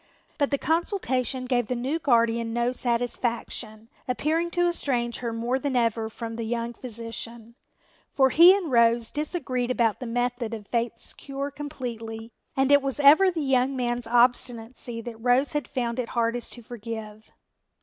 But the consultation gave the new guardian no satisfaction, appearing to estrange her more than ever from the young physician. For he and Rose disagreed about the method of Faith's cure completely and it was ever the young man's obstinacy that Rose had found it hardest to forgive.